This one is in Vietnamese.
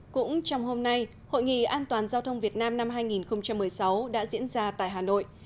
cũng trong hôm nay hội nghị an toàn giao thông việt nam năm hai nghìn một mươi sáu đã diễn ra tại hà nội